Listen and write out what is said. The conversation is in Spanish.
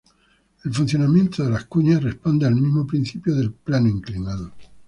El funcionamiento de las cuñas responden al mismo principio del plano inclinado.